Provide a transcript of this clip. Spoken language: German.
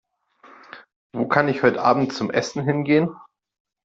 Wo kann ich heute Abend zum Essen hingehen?